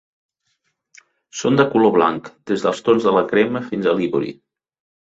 Són de color blanc, des dels tons de la crema fins a l'ivori.